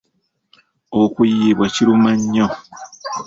Okuyiibwa kiruma nnyo.